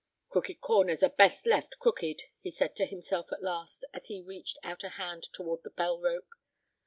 "Crooked corners are best left crooked," he said to himself, at last, as he reached out a hand toward the bell rope.